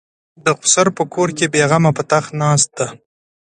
د خسر په کور کې بې غمه په تخت ناسته ده.